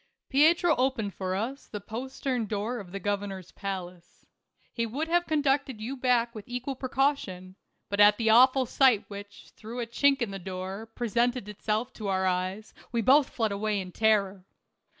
Pietro opened for us the postern door of the governor's palace. He would have conducted you back with equal precaution, but at the awful sight which, through a chink in the door, pre sented itself to our eyes, we both fled away in terror.